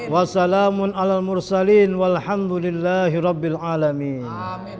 wassalamun ala mursalin walhamdulillahi rabbil alamin